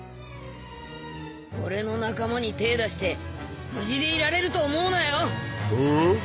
俺の仲間に手ぇ出して無事でいられると思うなよお？